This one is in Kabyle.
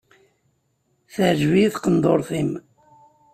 Teɛǧeb-iyi tqendurt-im.